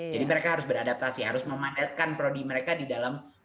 jadi mereka harus beradaptasi harus memanfaatkan prodi mereka di dalam legenda